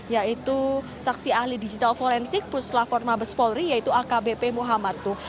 yaitu saksi ahli digital forensik plus la forma bespolri yaitu akhbp muhammad nuh